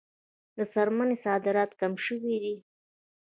د څرمنې صادرات کم شوي دي